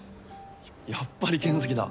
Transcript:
やっぱり剣崎だ。